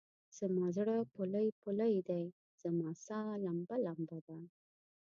زما زړه پولۍ پولی دی، زما سا لمبه لمبه ده